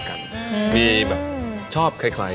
ก้าวเบื้องก้าว